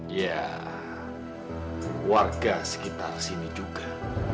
ya warga sekitar sini juga